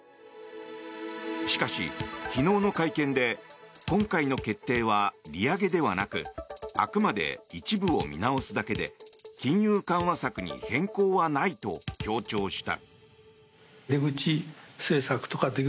しかし昨日の会見で今回の決定は利上げではなくあくまで一部を見直すだけで金融緩和策に変更はないと強調した。